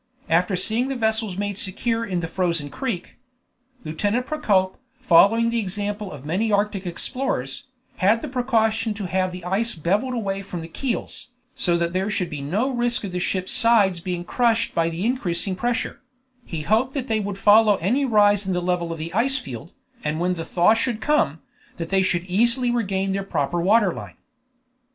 After seeing the vessels made secure in the frozen creek. Lieutenant Procope, following the example of many Arctic explorers, had the precaution to have the ice beveled away from the keels, so that there should be no risk of the ships' sides being crushed by the increasing pressure; he hoped that they would follow any rise in the level of the ice field, and when the thaw should come, that they would easily regain their proper water line.